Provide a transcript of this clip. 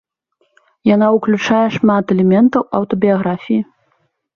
Яна ўключае шмат элементаў аўтабіяграфіі.